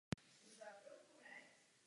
Už je máme.